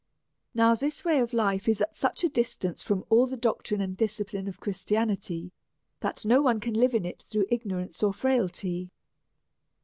Now, this way of life is at such a distance from all D 4 40 A SERIOUS CALL TO A the doctrine and discipline of Christianity^ that no one can live in it through ignorance or frailty.